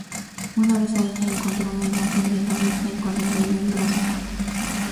Una vez allí, encontró una imagen de la Virgen con el Niño en brazos.